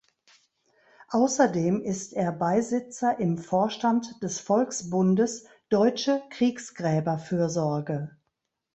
Außerdem ist er Beisitzer im Vorstand des Volksbundes Deutsche Kriegsgräberfürsorge.